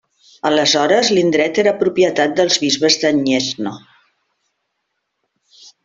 Aleshores l'indret era propietat dels bisbes de Gniezno.